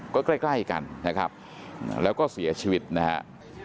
ก็ใกล้กันนะครับแล้วก็เสียชีวิตนะฮะ